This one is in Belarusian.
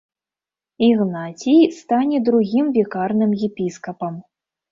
Ігнацій стане другім вікарным епіскапам.